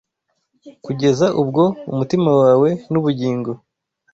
kugeza ubwo umutima wawe n’ubugingo